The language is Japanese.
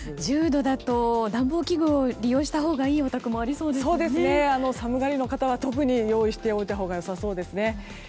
１０度だと暖房器具を利用したほうがいい家庭も寒がりの方は特に用意しておいたほうがよさそうですね。